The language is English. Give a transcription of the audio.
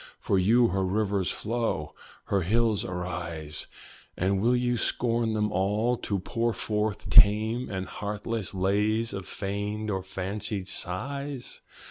For you her rivers flow, her hills arise! And will you scorn them all, to pour forth tame And heartless lays of feigned or fancied sighs?